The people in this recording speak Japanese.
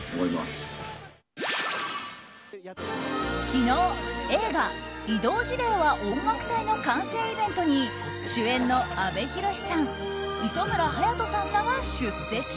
昨日「異動辞令は音楽隊！」の完成イベントに主演の阿部寛さん磯村勇斗さんらが出席。